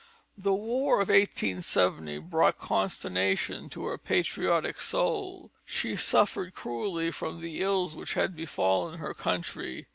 The war of 1870 brought consternation to her patriotic soul. She suffered cruelly from the ills which had befallen her country.